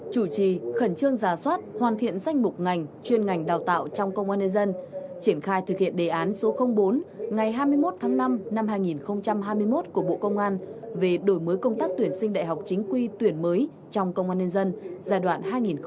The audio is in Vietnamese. chủ trì khẩn trương giả soát hoàn thiện danh mục ngành chuyên ngành đào tạo trong công an nhân dân triển khai thực hiện đề án số bốn ngày hai mươi một tháng năm năm hai nghìn hai mươi một của bộ công an về đổi mới công tác tuyển sinh đại học chính quy tuyển mới trong công an nhân dân giai đoạn hai nghìn một mươi sáu hai nghìn hai mươi năm